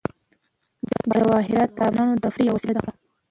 جواهرات د افغانانو د تفریح یوه وسیله ده.